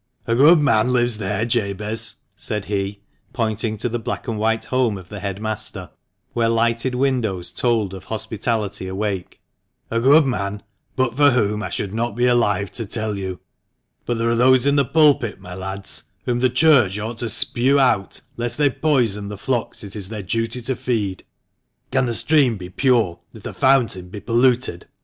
"A good man lives there, Jabez," said he, pointing to the black and white home of the head master , where lighted windows told of hospitality awake, "a good man, but for whom I should not be alive to tell you ; but there are those in the pulpit, my lads, whom the Church ought to spew out, lest they poison the flocks it is their duty to feed. Can the stream be pure if the fountain be polluted